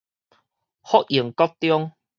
福營國中